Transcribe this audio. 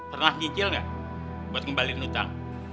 pernah nyicil nggak buat ngembalin utang